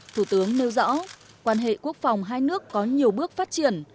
thủ tướng nêu rõ quan hệ quốc phòng hai nước có nhiều bước phát triển